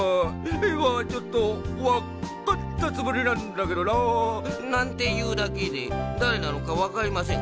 いまちょっとわっカッタツムリなんだけどな」なんていうだけでだれなのかわかりません。